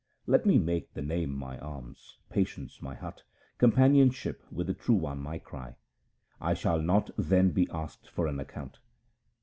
1 Let me make the Name my alms, patience my hut, com panionship with the True One my cry ;/ shall not then be asked for an account.